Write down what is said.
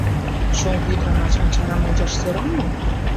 Шоҥго ӱдырамашым чарам ончаш сӧрал мо?